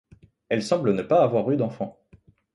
Elle semble ne pas avoir eu d'enfants.